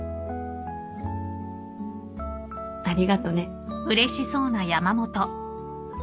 ありがとね。